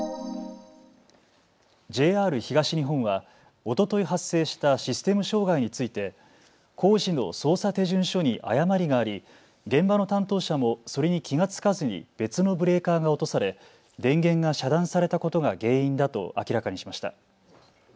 ＪＲ東日本はおととい発生したシステム障害について工事の操作手順書に誤りがあり現場の担当者もそれに気が付かずに別のブレーカーが落とされ電源が遮断されたことが原因だと明らかにしました。